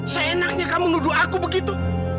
seenaknya kamu nuduh aku begitu